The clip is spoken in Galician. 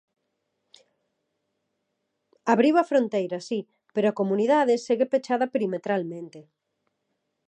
Abriu a fronteira si, pero a comunidade segue pechada perimetralmente.